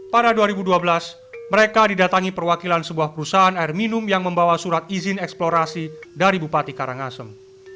pada dua ribu dua belas mereka didatangi perwakilan sebuah perusahaan air minum yang membawa surat izin eksplorasi dari bupati karangasem